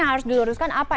harus diluruskan apa